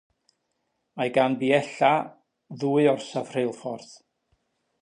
Mae gan biella ddwy orsaf reilffordd.